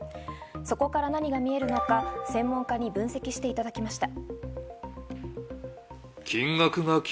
そこから何が見えるのか専門家に分析していただきました。